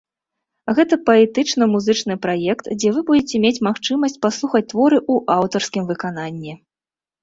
Гэта паэтычна-музычны праект, дзе вы будзеце мець магчымасць паслухаць творы ў аўтарскім выкананні.